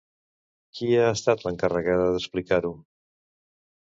Qui ha estat l'encarregada d'explicar-ho?